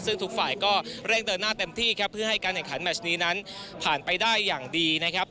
ซึ่งทุกฝ่ายก็เร่งเดินหน้าเต็มที่ครับเพื่อให้การแข่งขันแมชนี้นั้นผ่านไปได้อย่างดีนะครับ